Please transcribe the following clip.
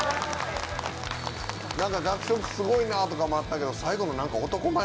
学食すごいなとかもあったけど最後の。